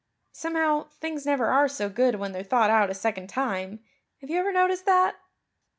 Somehow, things never are so good when they're thought out a second time. Have you ever noticed that?"